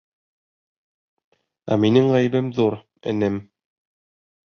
Ә минең ғәйебем ҙур, энем.